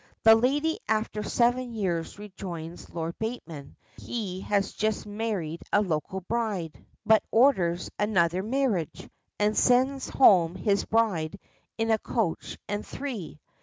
The lady after seven years rejoins Lord Bateman: he has just married a local bride, but "orders another marriage," and sends home his bride "in a coach and three."